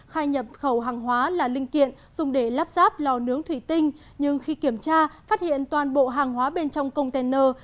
khai nhập khẩu hàng hóa là linh kiện dùng để lắp ráp lò nướng thủy tinh nhưng khi kiểm tra phát hiện toàn bộ hàng hóa bên trong container